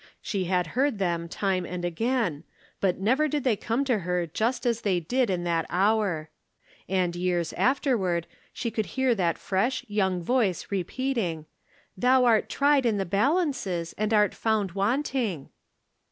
She had heard them time and again, but never did they come to her just as they did in that hour. And years afterward she could hear that fresh, young voice repeating, "Thou art tried in the balances and art found wanting."